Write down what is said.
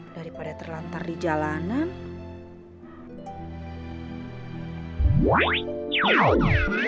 daripada terlantar di jalanan